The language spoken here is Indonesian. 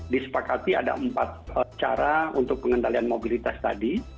disepakati ada empat cara untuk pengendalian mobilitas tadi